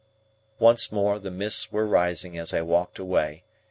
Once more, the mists were rising as I walked away.